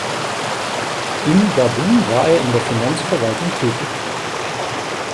In Gabun war er in der Finanzverwaltung tätig.